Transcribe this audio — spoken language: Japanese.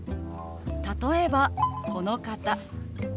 例えばこの方。